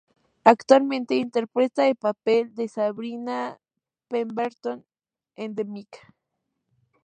Actualmente interpreta el papel de Sabrina Pemberton en "The Mick".